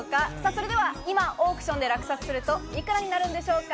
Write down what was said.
それでは今、オークションで落札すると、いくらになるんでしょうか？